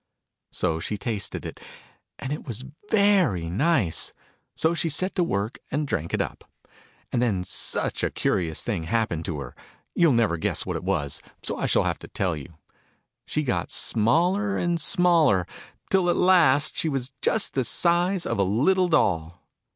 So she tasted it : and it was very nice : so she set to work, and drank it up. And then such a curious thing happened to her ! You'll never guess what it was : so I shall have to tell you. She got smaller, and smaller, till at last she was just the size of a little doll